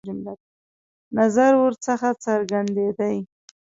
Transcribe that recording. نظر ورڅخه څرګندېدی.